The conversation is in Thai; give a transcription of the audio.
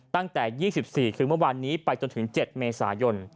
ตั้งแต่๒๔คือเมื่อวานนี้ไปจนถึง๗เมษายน